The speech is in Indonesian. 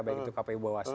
banyak itu kpu bawah